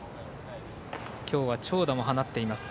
今日は長打も放っています。